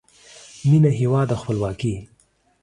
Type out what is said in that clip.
مینه، هیواد او خپلواکۍ